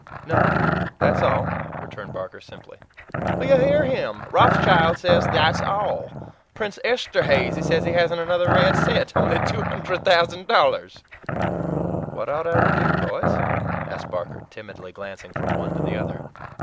"No that's all," returned Barker simply. "You hear him! Rothschild says 'that's all.' Prince Esterhazy says he hasn't another red cent only two hundred thousand dollars." "What ought I to do, boys?" asked Barker, timidly glancing from one to the other.